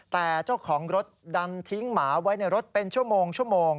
แต่เจ้าของรถดันทิ้งหมาไว้ในรถเป็นชั่วโมง